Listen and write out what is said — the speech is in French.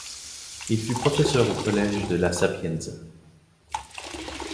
Il fut professeur au Collège de la Sapienza.